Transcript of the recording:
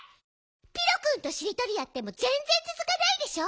ピロくんとしりとりやってもぜんぜんつづかないでしょ。